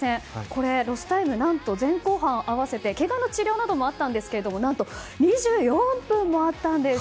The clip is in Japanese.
これ、ロスタイム何と前後半合わせてけがの治療などもあったんですけど何と２４分もあったんです。